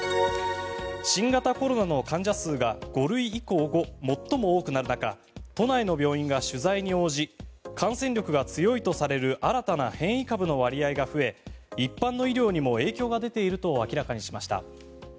新型コロナの患者数が５類移行後、最も多くなる中都内の病院が取材に応じ感染力が強いとされる新たな変異株の割合が増え一般の医療にも影響が出ていると明らかにしました。